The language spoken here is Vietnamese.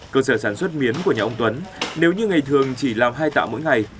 cơ sở sản xuất miến của nhà ông tuấn nếu như ngày thường chỉ làm hai tạ mỗi ngày